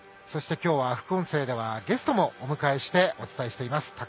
そして、今日は副音声ではゲストもお迎えしてお伝えしています。